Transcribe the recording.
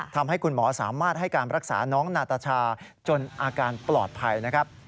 ทำให้คุณหมอสามารถให้การรักษาน้องนาตาชาจนอาการปลอดภัยนะครับ